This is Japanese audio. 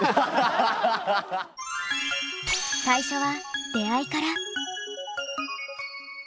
最初は出会いから。